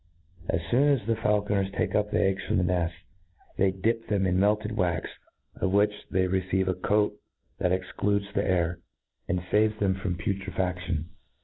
As foon as faulconcrs take the eggs from the nefts, they dip them in, inelted wax, of which they receive a coat that ex cludes the air, and faves them from putrefadion.